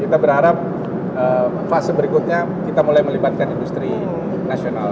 kita berharap fase berikutnya kita mulai melibatkan industri nasional